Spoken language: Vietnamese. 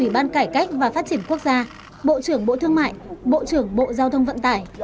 bộ trưởng quốc gia bộ trưởng bộ thương mại bộ trưởng bộ giao thông vận tải